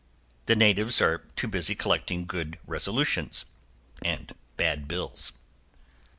The natives are too busy collecting good resolutions and bad bills.